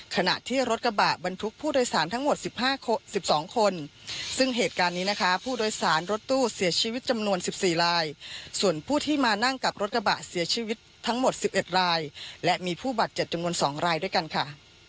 ขณะที่รถกระบะบรรทุกผู้โดยสารทั้งหมด๑๒คนซึ่งเหตุการณ์นี้นะคะผู้โดยสารรถตู้เสียชีวิตจำนวน๑๔รายส่วนผู้ที่มานั่งกับรถกระบะเสียชีวิตทั้งหมด๑๑รายและมีผู้บาดเจ็บจำนวน๒รายด้วยกันค่ะ